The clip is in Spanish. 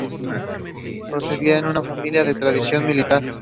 Procedía de una familia de tradición militar.